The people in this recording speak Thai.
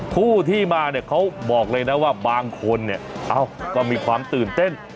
ผู้ที่มาเนี่ยเขาบอกเลยนะว่าบางคนเนี่ยเอ้าก็มีความตื่นเต้น